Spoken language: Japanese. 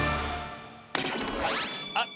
あっ。